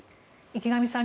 池上さん